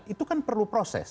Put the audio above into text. itu kan perlu proses